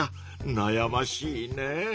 なやましいね。